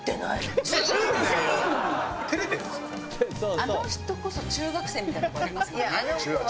あの人こそ中学生みたいなとこありますもんね。